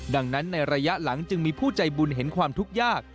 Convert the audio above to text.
ดังนั้นในระยะหลังจึงมีผู้ใจบุญเห็นความทุกข์ยาก